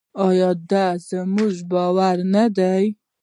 آیا دا زموږ باور نه دی؟